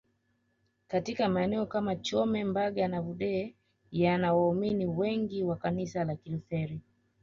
Katika maeneo kama Chome Mbaga na Vudee yana waumini wengi wa kanisala la Kiluteri